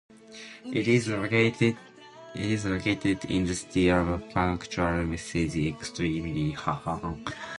It is located in the city of Pachuca, formerly a large mining site.